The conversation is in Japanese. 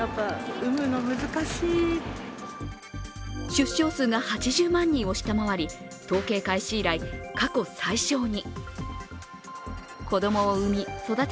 出生数が８０万人を下回り統計開始以来、過去最少に。